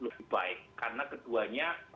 lebih baik karena keduanya